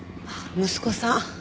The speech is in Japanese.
息子さん。